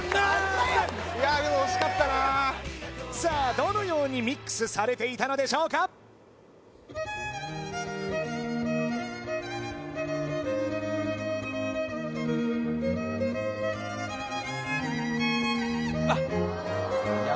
どのようにミックスされていたのでしょうかあっいや